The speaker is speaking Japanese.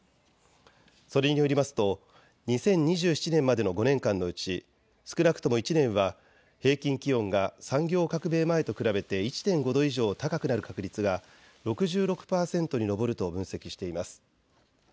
それによりますと２０２７年までの５年間のうち少なくとも１年は平均気温が産業革命前と比べて１．５度以上高くなる確率が６６％に上ると分析しています。